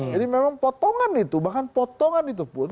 jadi memang potongan itu bahkan potongan itu pun